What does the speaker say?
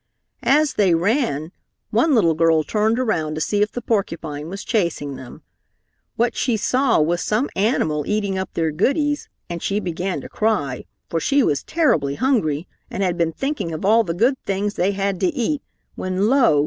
As they ran, one little girl turned around to see if the porcupine was chasing them. What she saw was some animal eating up their goodies, and she began to cry, for she was terribly hungry and had been thinking of all the good things they had to eat when lo!